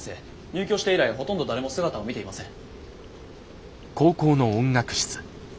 入居して以来ほとんど誰も姿を見ていません。